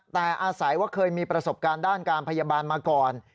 แต่อาศัยว่าเคยมีประสบการณ์ด้านการพยาบาลมาก่อน